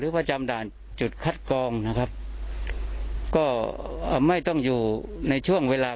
ประจำด่านจุดคัดกรองนะครับก็ไม่ต้องอยู่ในช่วงเวลา